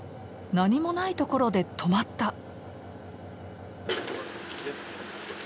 何もない所で止まった。